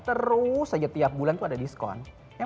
terus saja tiap bulan itu ada diskon